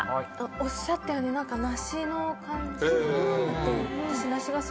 おっしゃったように梨の感じ。